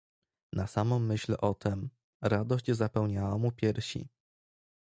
"Na samą myśl o tem, radość zapełniała mu piersi."